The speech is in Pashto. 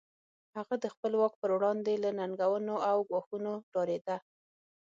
هغه د خپل واک پر وړاندې له ننګونو او ګواښونو ډارېده.